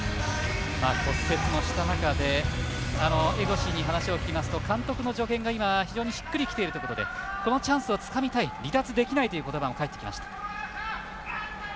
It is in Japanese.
骨折もしたなかで、江越に話を聞きますと監督の助言が非常にしっくりきているということで、このチャンスをつかみたい離脱できないという言葉も返ってきました。